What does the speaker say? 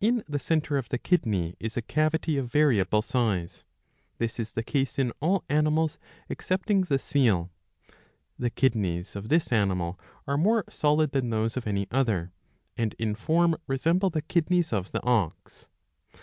In the centre of the kidney is a cavity of variable size. This is the case in all animals, excepting the seal.^ The kidneys of this animal are more solid than those of any other, and in form resemble the kidneys of the ox.